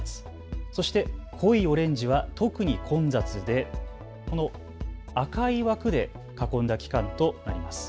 そして濃いオレンジは特に混雑で、赤い枠で囲んだ期間となります。